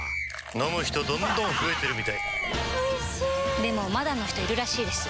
飲む人どんどん増えてるみたいおいしでもまだの人いるらしいですよ